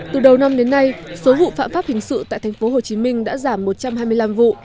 từ đầu năm đến nay số vụ phạm pháp hình sự tại tp hcm đã giảm một trăm hai mươi năm vụ